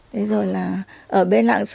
đấy rồi là ở bên lạng sơn